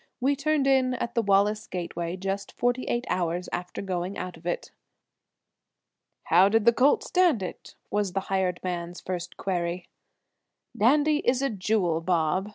We turned in at the Wallace gateway just forty eight hours after going out of it. "How did the colt stand it?" was the hired man's first query. "Dandy is a jewel, Bob!"